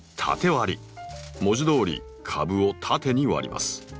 文字どおり株を縦に割ります。